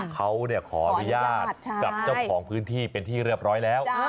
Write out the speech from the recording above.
เขาขออนุญาตกับเจ้าของพื้นที่เป็นที่เรียบร้อยแล้ว